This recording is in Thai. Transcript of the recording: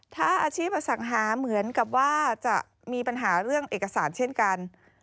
ถ้าอาชีพอสังหาเหมือนกับว่าจะมีปัญหาเรื่องเอกสารเช่นกัน